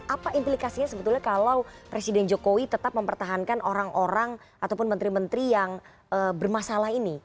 apa implikasinya sebetulnya kalau presiden jokowi tetap mempertahankan orang orang ataupun menteri menteri yang bermasalah ini